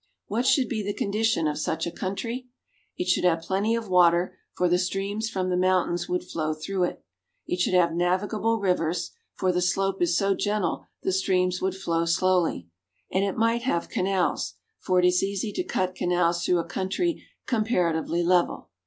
What should be the condition of such a country? It should have plenty of water, for the streams from the mountains would flow through it. It should have navi gable rivers, for the slope is so gentle the streams would flow slowly ; and it might have canals, for it is easy to cut canals through a country comparatively level.